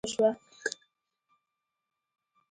کله چې ګوډ تیمور باروت راوړل د غور وسله کمزورې شوه